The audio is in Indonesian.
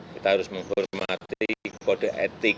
kita harus menghormati kode etik